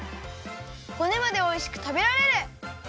ほねまでおいしくたべられる！